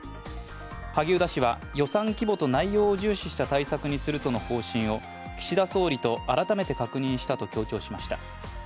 萩生田氏は予算規模と内容を重視した対策にするとの方針を岸田総理と改めて確認したと強調しました。